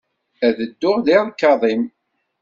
Ad tedduɣ di ṛkaḍ-im.